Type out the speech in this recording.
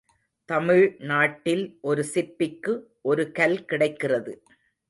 தமிழ் நாட்டில் ஒரு சிற்பிக்கு ஒரு கல் கிடைக்கிறது.